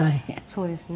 そうですね。